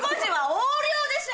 横領でしょ！